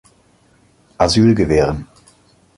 Asyl gewähren.